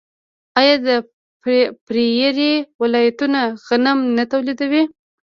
آیا د پریري ولایتونه غنم نه تولیدوي؟